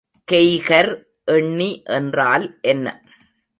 Geiger எண்ணி என்றால் என்ன?